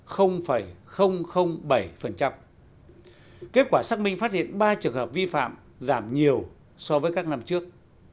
kết quả xác minh phát hiện ba trường hợp vi phạm giảm nhiều so với các năm trước